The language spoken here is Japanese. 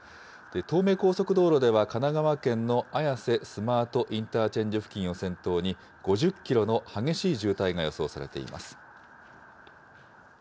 東名高速道路では、神奈川県の綾瀬スマートインターチェンジ付近を先頭に、５０キロの激しい渋滞が予想されています。